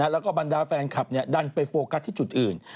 แล้วก็บรรดาแฟนคลับดันไปโฟกัสที่จุดอื่น